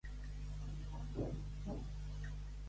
Seria molt demanar pollastre a l'ast a l'Entrecuixes per Glovo?